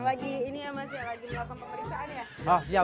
lagi ini ya mas ya lagi melakukan pemeriksaan ya